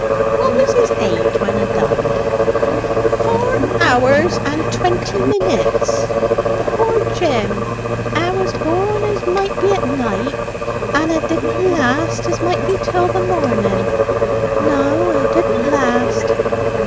"What was his age when 'a died?" "Four hours and twenty minutes, poor Jim. 'A was born as might be at night; and 'a didn't last as might be till the morning. No, 'a didn't last.